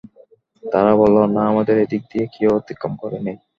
তারা বলল, না আমাদের এদিক দিয়ে কেউ অতিক্রম করেনি।